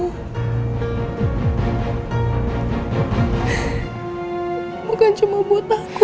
kamu kan cuma buat aku